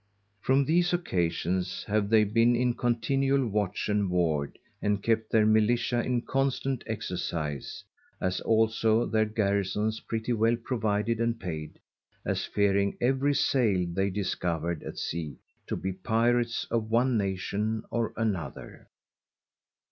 From these occasions have they been in continual watch and ward, and kept their_ Militia _in constant exercise, as also their Garrisons pretty well provided and paid; as fearing every sail they discovered at Sea, to be_ Pirats _of one Nation or another.